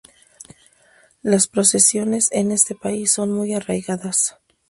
Las procesiones en este país son muy arraigadas.